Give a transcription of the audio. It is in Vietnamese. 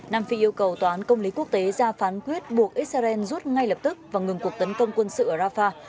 nam phi yêu cầu tòa án công lý quốc tế ra phán quyết buộc israel rút ngay lập tức và ngừng cuộc tấn công quân sự ở rafah